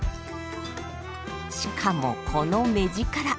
しかもこの目力。